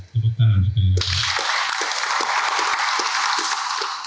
terbukaan saya ingin mengucapkan